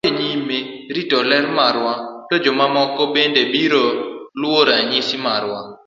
Ka wadhi nyime rito ler marwa, to jomamoko bende biro luwo ranyisi marwa.